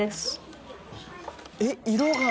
えっ？色が。